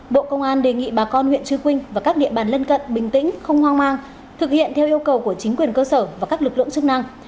bộ công an đề nghị bà con huyện trư quynh và các địa bàn lân cận bình tĩnh không hoang mang thực hiện theo yêu cầu của chính quyền cơ sở và các lực lượng chức năng